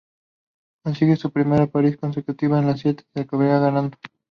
Sean Kelly consigue su primera París-Niza consecutiva de las siete que acabaría ganando.